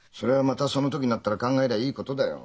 またその時になったら考えりゃいいことだよ。